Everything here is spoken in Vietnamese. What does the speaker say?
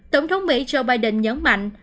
tổng thống mỹ joe biden nhấn mạnh